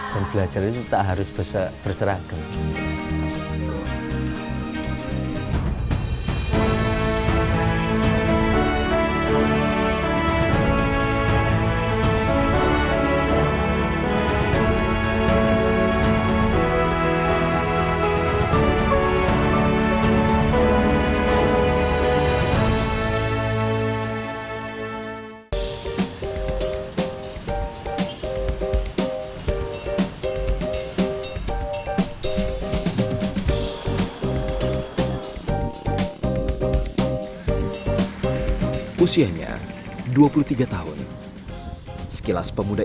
dan belajar itu tak harus berseragam